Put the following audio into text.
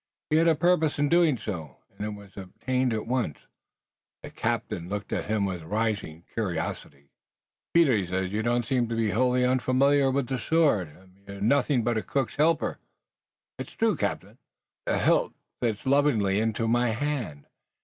He had a purpose in doing so, and it was attained at once. The captain looked at him with rising curiosity. "Peter," he said, "you don't seem to be wholly unfamiliar with the sword, and you nothing but a cook's helper." "It's true, captain. The hilt fits lovingly into my hand.